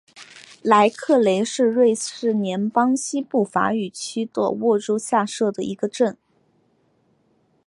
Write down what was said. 莱克雷是瑞士联邦西部法语区的沃州下设的一个镇。